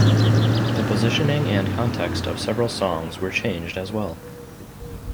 The positioning and context of several songs were changed as well.